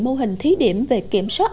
mô hình thí điểm về kiểm soát